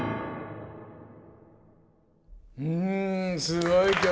うんすごい曲！